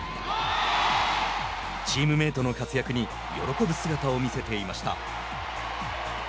チームメートの活躍に喜ぶ姿を見せていました。